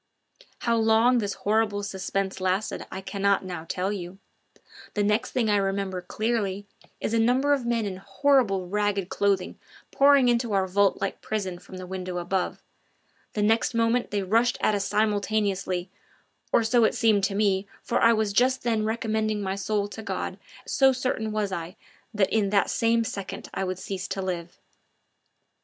How long this horrible suspense lasted I cannot now tell you; the next thing I remember clearly is a number of men in horrible ragged clothing pouring into our vault like prison from the window above; the next moment they rushed at us simultaneously or so it seemed to me, for I was just then recommending my soul to God, so certain was I that in that same second I would cease to live.